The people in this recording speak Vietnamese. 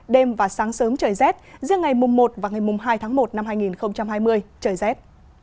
đêm và sáng sớm trời rét giữa ngày mùng một và ngày mùng hai tháng một năm hai nghìn hai mươi trời rét